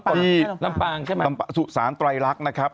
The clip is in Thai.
ที่สุสานไตรรักษ์นะครับ